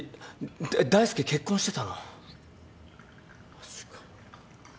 マジかよ。